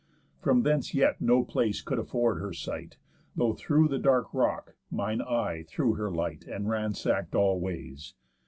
From thence yet no place could afford her sight, Though through the dark rock mine eye threw her light, And ransack'd all ways.